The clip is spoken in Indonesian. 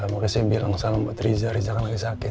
maksudnya bilang salam buat riza riza akan lagi sakit